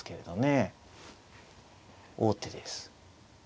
王手です。